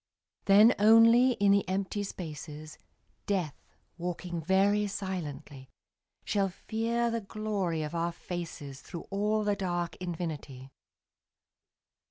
Then only in the empty spaces, Death, walking very silently, Shall fear the glory of our faces Through all the dark infinity.